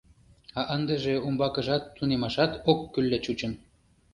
А ындыже умбакыжым тунемашат оккӱлла чучын.